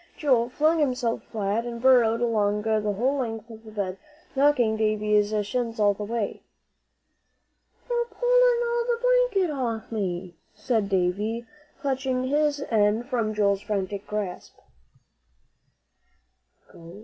Joel flung himself flat, and burrowed along the whole length of the bed, knocking Davie's shins all the way. "You're pullin' all the blanket off me," said Davie, clutching his end from Joel's frantic grasp.